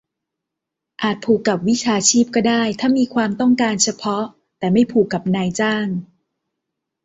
อาจผูกกับวิชาชีพก็ได้ ถ้ามีความต้องการเฉพาะ แต่ไม่ผูกกับนายจ้าง